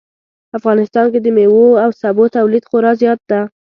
افغانستان کې د میوو او سبو تولید خورا زیات ده